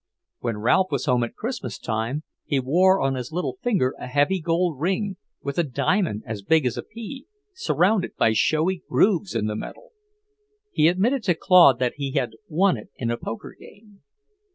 When Ralph was home at Christmas time, he wore on his little finger a heavy gold ring, with a diamond as big as a pea, surrounded by showy grooves in the metal. He admitted to Claude that he had won it in a poker game.